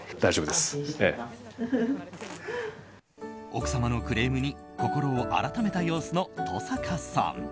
奥様のクレームに心を改めた様子の登坂さん。